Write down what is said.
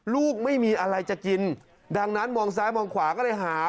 ลูกไม่มีอะไรจะกินดังนั้นมองซ้ายมองขวาก็เลยหา